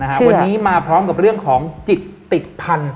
วันนี้มาพร้อมกับเรื่องของจิตติดพันธุ